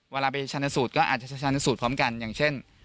เวลาไปชาญสูตรก็อาจจะชันสูตรพร้อมกันอย่างเช่น